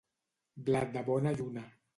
Blat de bona lluna.